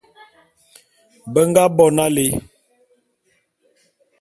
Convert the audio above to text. Be nga bo nalé.